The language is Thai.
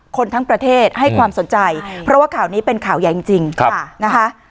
คนทั้งประเทศให้ความสนใจเพราะว่าข่าวนี้เป็นข่าวใหญ่จริงนะคะ